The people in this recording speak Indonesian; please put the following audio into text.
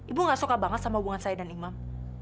ibu gak suka banget sama hubungan saya dan imam